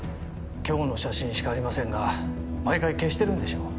今日の写真しかありませんが毎回消してるんでしょう。